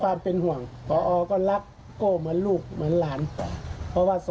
อันนี้ทำเพื่อให้ดูเหมือนรุนแรง